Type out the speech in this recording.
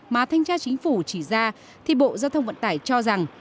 mà thanh tra chính phủ chỉ ra thì bộ giao thông vận tải cho rằng